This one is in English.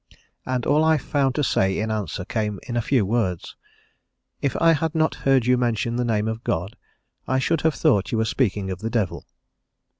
And all I found to say in answer came in a few words: "If I had not heard you mention the name of God, I should have thought you were speaking of the Devil."